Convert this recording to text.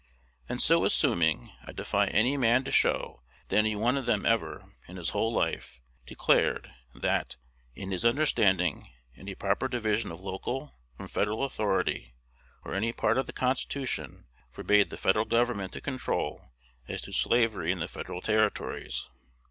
And so assuming, I defy any man to show that any one of them ever, in his whole life, declared, that, in his understanding, any proper division of local from Federal authority, or any part of the Constitution, forbade the Federal Government to control as to slavery in the Federal Territories.